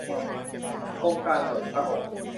โครงการส่วนพระองค์